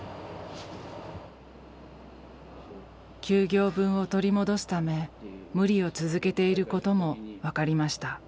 休業分を取り戻すため無理を続けていることも分かりました。